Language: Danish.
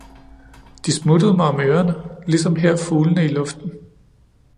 De smuttede mig om ørene, ligesom her fuglene i luften.